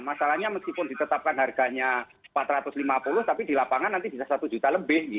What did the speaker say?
masalahnya meskipun ditetapkan harganya empat ratus lima puluh tapi di lapangan nanti bisa satu juta lebih